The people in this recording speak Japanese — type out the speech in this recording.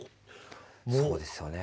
そうですよね。